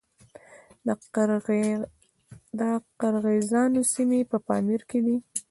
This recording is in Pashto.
د قرغیزانو سیمې په پامیر کې دي